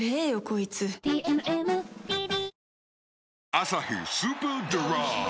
「アサヒスーパードライ」